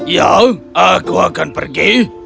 ya aku akan pergi